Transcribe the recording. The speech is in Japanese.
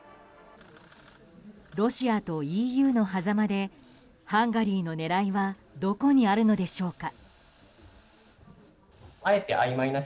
ロシアとＥＵのはざまでハンガリーの狙いはどこにあるのでしょうか。